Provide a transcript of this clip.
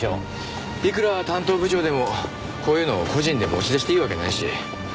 いくら担当部長でもこういうのを個人で持ち出していいわけないし。